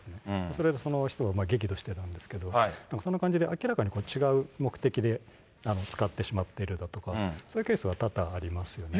それでその人は激怒してたんですけれども、そんな感じで明らかに違う目的で使ってしまっているだとか、そういうケースは多々ありますよね。